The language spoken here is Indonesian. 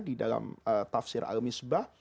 di dalam tafsir al misbah